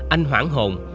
anh hoảng hồn